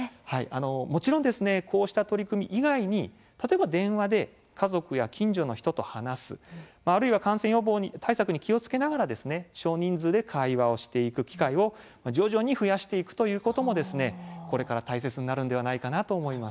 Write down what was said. もちろん、こうした取り組み以外に電話で家族や近所の人と話すあるいは感染対策に気をつけながら少人数で会話をする機会を徐々に増やしていくこともこれから大切になるのではないかと思います。